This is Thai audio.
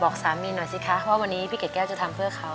สามีหน่อยสิคะว่าวันนี้พี่เกดแก้วจะทำเพื่อเขา